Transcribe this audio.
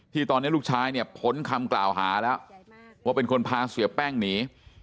ที่ตอนนี้ลูกชายเนี่ยพ้นคำกล่าวหาแล้วว่าเป็นคนพาเสียแป้งหนี